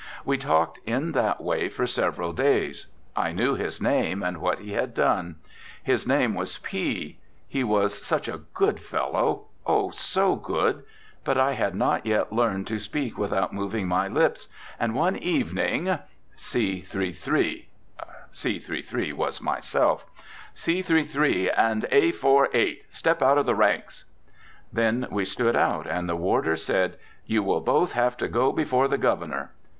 We talked in that way for several days. I knew his name and what he had done. His name was P ; he was such a good fellow; oh! so good. But I had not yet learned to speak without moving my lips, and one evening, "C.3.3." (C.3.3. was myself), "C.3.3. and A.4.8. step out of the ranks." 'Then we stood out, and the warder said, "You will both have to go before the Governor."